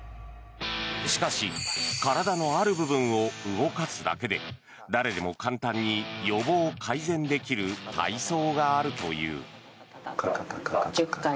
しかし体のある部分を動かすだけで誰でも簡単に予防・改善できる体操があるという。